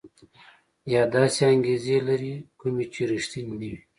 یا داسې انګېزې لري کومې چې ريښتيني نه وي.